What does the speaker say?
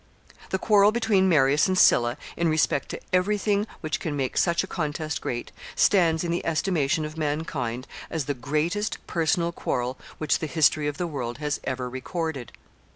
] The quarrel between Marius and Sylla, in respect to every thing which can make such a contest great, stands in the estimation of mankind as the greatest personal quarrel which the history of the world has ever recorded.